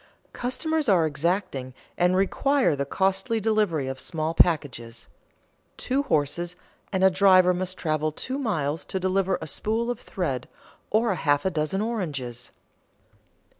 Customers are exacting and require the costly delivery of small packages; two horses and a driver must travel two miles to deliver a spool of thread or a half dozen oranges.